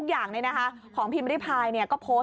โอเคค่ะแม่